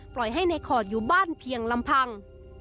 ปล่อยให้ในขอดอยู่บ้านเพียงลำพัง